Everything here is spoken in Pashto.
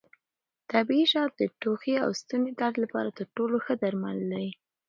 طبیعي شات د ټوخي او ستوني درد لپاره تر ټولو ښه درمل دي.